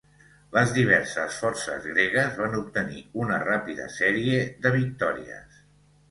Les diverses forces gregues van obtenir una ràpida sèrie de victòries.